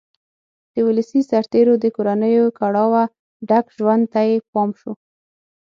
د ولسي سرتېرو د کورنیو کړاوه ډک ژوند ته یې پام شو